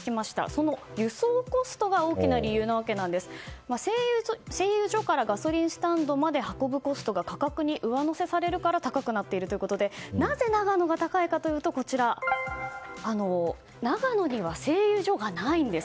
その輸送コストが大きな理由で製油所からガソリンスタンドまで運ぶコスト価格に上乗せされるから価格が高くなっているということでなぜ長野が高いかというと長野には製油所がないんです。